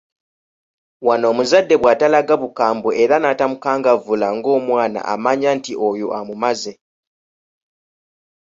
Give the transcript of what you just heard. Wano omuzadde bw'atalaga bukambwe era natamukangavvula ng'omwana amanya nti oyo "amumaze"